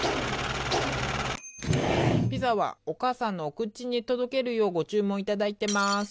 ピザはおかあさんのお口に届けるようご注文いただいてます。